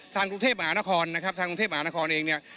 ทางกรุงเทพฯอาณาคลนะครับทางกรุงเทพฯอาณาคลเองเนี่ย